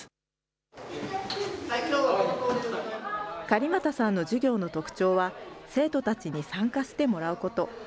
狩俣さんの授業の特徴は、生徒たちに参加してもらうこと。